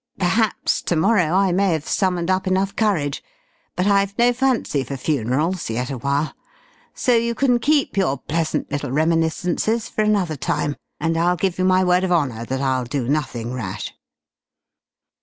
Perhaps to morrow I may have summoned up enough courage, but I've no fancy for funerals yet awhile. So you can keep your pleasant little reminiscences for another time, and I'll give you my word of honour that I'll do nothing rash!"